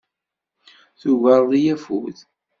Tugareḍ-iyi afud.